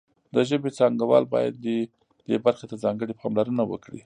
د ژبې څانګوال باید دې برخې ته ځانګړې پاملرنه وکړي